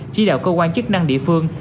chỉ đạo cơ quan chức năng địa phương